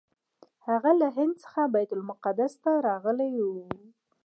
هغه له هند څخه بیت المقدس ته راغلی و.